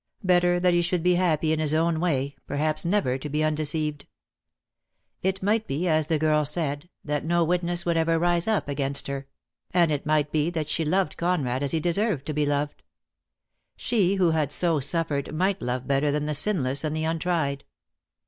Better that he should be happy in his own way, perhaps never to be undeceived. It might be, as the girl said, that no witness would ever rise up against her; and it might be that she loved Conrad DEAD LOVE HAS CHAINS. 1 89 as he deserved to be loved. She vi'ho had so suffered might love better than the sinless and the untried.